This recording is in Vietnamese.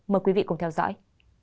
mời quý vị cùng theo dõi